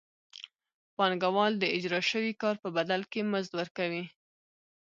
پانګوال د اجراء شوي کار په بدل کې مزد ورکوي